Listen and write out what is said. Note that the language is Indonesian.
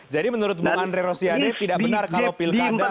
jadi menurut bu andre rosiade tidak benar kalau pilkada